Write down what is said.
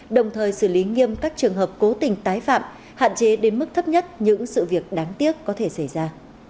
đồng thời xử lý nghiêm các trường hợp cố tình tái phạm hạn chế đến mức thấp nhất những sự việc đáng tiếc có thể xảy ra